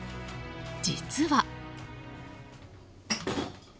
実は。